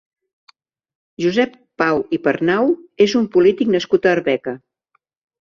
Josep Pau i Pernau és un polític nascut a Arbeca.